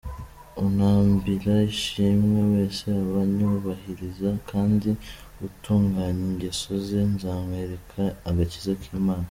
Untambira ishimwe wese aba anyubahiriza, Kandi utunganya ingeso ze, Nzamwereka agakiza k’Imana